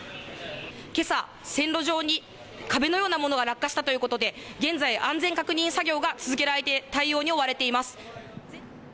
けさ線路上に壁のようなものが落下したということで現在、安全確認作業が続けられ対応に追われています。